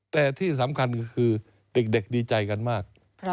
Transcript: แต่ที่สำคัญก็คือเด็กดีใจกันมาก